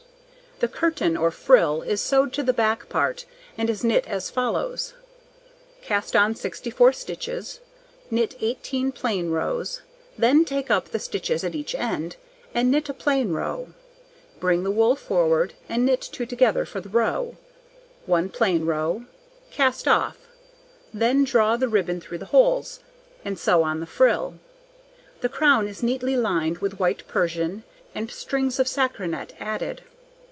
The curtain, or frill, is sewed to the back part, and is knit as follows: Cast on 64 stitches, knit 18 plain rows, then take up the stitches at each side, and knit a plain row; bring the wool forward, and knit 2 together for the row, 1 plain row, cast off, then draw the ribbon through the holes, and sew on the frill. The crown is neatly lined with white Persian, and strings of sarcenet added.